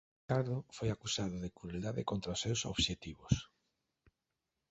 Ricardo foi acusado de crueldade contra os seus obxectivos.